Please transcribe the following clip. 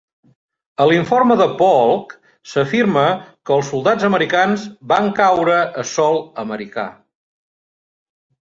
A l'informe de Polk, s'afirma que els soldats americans van caure a sòl americà.